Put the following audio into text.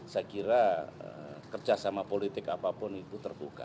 saya kira kerja sama politik apapun itu terbuka